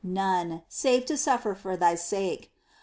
None, save to sufíer for Thy sake